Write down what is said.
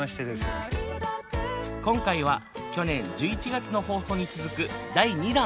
今回は去年１１月の放送に続く第２弾！